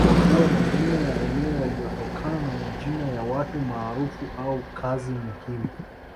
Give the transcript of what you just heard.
kwa kuwa majina ya eneo yalitokana na majina ya watu maarufu au kazi muhimu